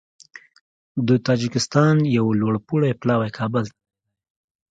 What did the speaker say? د تاجکستان یو لوړپوړی پلاوی کابل ته تللی دی